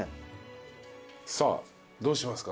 さあどうしますか？